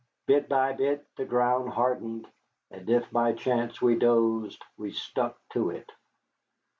Bit by bit the ground hardened, and if by chance we dozed we stuck to it.